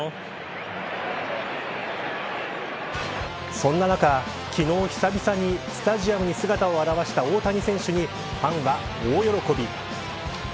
そんな中、昨日久々にスタジアムに姿を現した大谷選手にファンは大喜び。